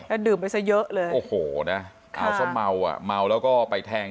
ยันดื่มไปโสดเยอะเลยโอ้โหเนี่ยอ้าวส้มเมามัวแล้วก็ไปแทง